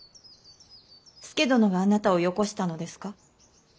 佐殿があなたをよこしたのですか。